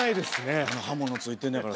刃物付いてんのやから。